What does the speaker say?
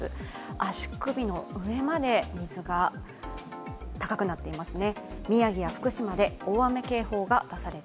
足首の上まで、水が高くなっていますね。